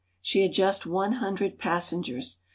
She had just one hundred passengers.